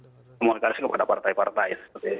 tapi kami juga harus komunikasi kepada partai partai